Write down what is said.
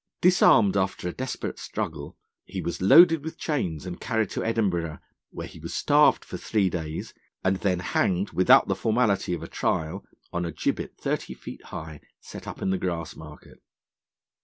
Disarmed after a desperate struggle, he was loaded with chains and carried to Edinburgh, where he was starved for three days, and then hanged without the formality of a trial on a gibbet, thirty feet high, set up in the Grassmarket.